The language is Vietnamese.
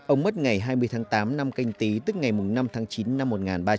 ông mất ngày hai mươi tháng tám năm canh tí tức ngày năm tháng chín năm một nghìn ba trăm bảy mươi